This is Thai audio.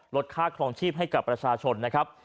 ลดค่าครองชีพให้กับประชาชนนะครับ